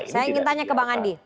saya ingin tanya ke bang andi